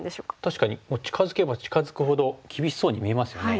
確かに近づけば近づくほど厳しそうに見えますよね。